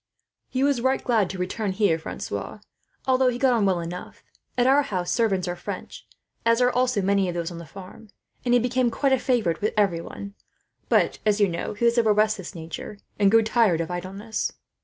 "He was glad to return here again, Francois; although he got on well enough, as our house servants are French, as are also many of those on the farm, and he became quite a favourite with every one. But he is of a restless nature, and grew tired of idleness."